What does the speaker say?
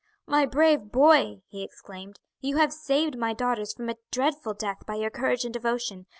"My brave boy," he exclaimed, "you have saved my daughters from a dreadful death by your courage and devotion.